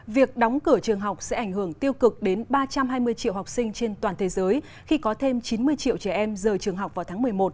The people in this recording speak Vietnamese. việc đóng cửa trường học sẽ ảnh hưởng tiêu cực đến ba trăm hai mươi triệu học sinh trên toàn thế giới khi có thêm chín mươi triệu trẻ em rời trường học vào tháng một mươi một